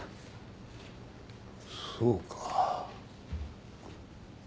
そうか。